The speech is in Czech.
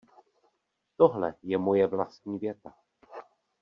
Tohle je moje vlastní věta.